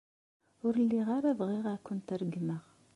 Ur lliɣ ara bɣiɣ ad kent-regmeɣ.